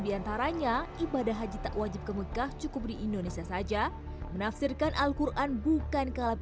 diantaranya ibadah haji tak wajib ke mekah cukup di indonesia saja menafsirkan al quran bukan kalap